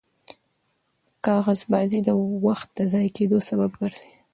کاغذبازي د وخت د ضایع کېدو سبب ګرځي.